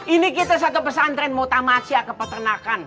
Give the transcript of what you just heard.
ini kita satu pesantren mau tamatsia ke peternakan